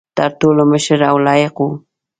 تر ټولو مشر او لایق وو.